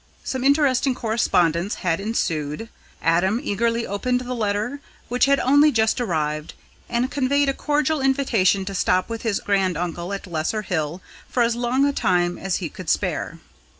Some interesting correspondence had ensued. Adam eagerly opened the letter which had only just arrived, and conveyed a cordial invitation to stop with his grand uncle at Lesser Hill, for as long a time as he could spare.